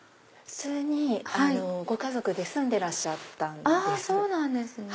普通にご家族で住んでらっしゃったんです。